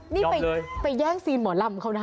นี่ไปแย่งซีนหมอลำเขานะ